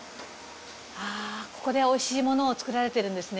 ここでおいしいものを作られてるんですね。